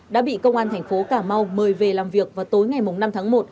đã bị công an thành phố cà mau mời về làm việc vào tối ngày năm tháng một